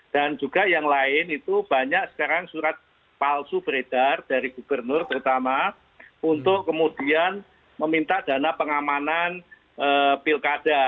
dan juga yang lain itu banyak sekarang surat palsu beredar dari gubernur terutama untuk kemudian meminta dana pengamanan pilkada